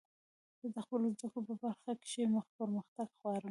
زه د خپلو زدکړو په برخه کښي پرمختګ غواړم.